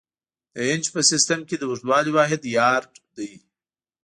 د انچ په سیسټم کې د اوږدوالي واحد یارډ دی.